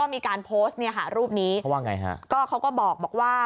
ก็มีการโพสต์รูปนี้เขาก็บอกว่า